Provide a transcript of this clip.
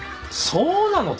そうなの？